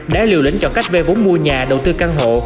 đã liều lĩnh cho cách về vốn mua nhà đầu tư căn hộ